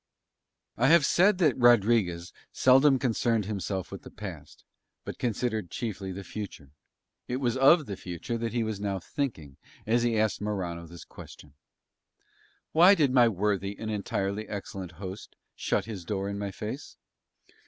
I have said that Rodriguez seldom concerned himself with the past, but considered chiefly the future: it was of the future that he was thinking now as he asked Morano this question: "Why did my worthy and entirely excellent host shut his door in my face?"